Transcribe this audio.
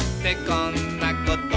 「こんなこと」